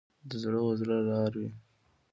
د زړه و زړه لار وي.